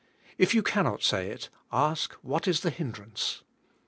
If you cannot say it, ask what is the hindrance.